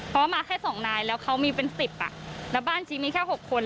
เพราะว่ามาแค่๒นายแล้วเขามีเป็น๑๐แล้วบ้านจริงมีแค่๖คน